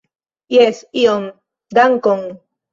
Jes, iom, dankon.